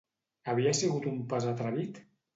Havia sigut un pas atrevit?